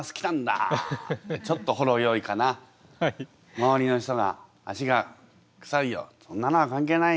周りの人が「足がくさいよ」。「そんなのは関係ない。